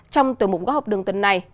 trong tuổi mục góc học đường tuần này